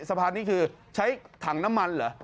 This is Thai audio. สะพานนี้คือใช้ถังน้ำมันเหรอ